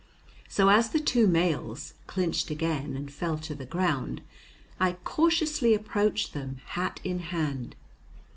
So, as the two males clinched again and fell to the ground, I cautiously approached them, hat in hand.